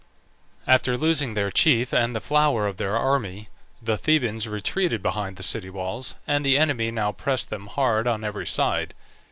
After losing their chief and the flower of their army, the Thebans retreated behind the city walls, and the enemy now pressed them hard on every side.